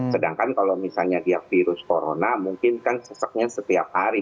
sedangkan kalau misalnya dia virus corona mungkin kan seseknya setiap hari